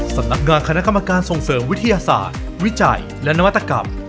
สำนักงานคณะกรรมการส่งเสริมวิทยาศาสตร์วิจัยและนวัตกรรม